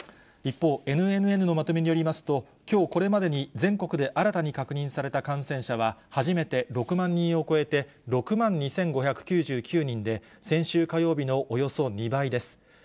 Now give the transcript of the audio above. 一方、ＮＮＮのまとめによりますと、きょうこれまでに全国で新たに確認された感染者は、初めて６万人を超えて、６万２５９９人で、先週火曜日のおよそ２倍です。